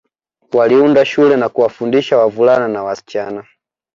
Waliunda shule na kuwafundisha wavulana na wasichana